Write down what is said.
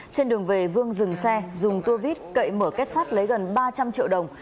trên đường về vương dừng xe dùng tua vít cậy mở kết sắt lấy gần ba trăm linh triệu đồng